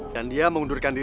dan dia mengundurkan diri